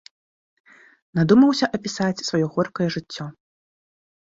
Надумаўся апісаць сваё горкае жыццё.